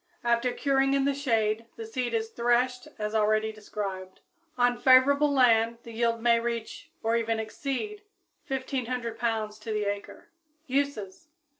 After curing in the shade the seed is threshed as already described (see page 28). On favorable land the yield may reach or even exceed 1,500 pounds to the acre. _Uses.